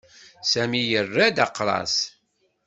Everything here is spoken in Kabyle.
Sami yerra-d aqras.